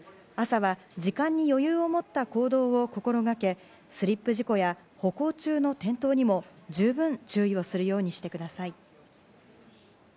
朝は、時間に余裕を持った行動を心掛けスリップ事故や歩行中の転倒にも十分注意をするようにしてください。